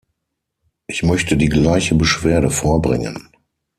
Ich möchte die gleiche Beschwerde vorbringen.